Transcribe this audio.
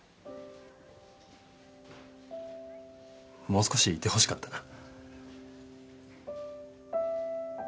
もう少しいてほしかったな。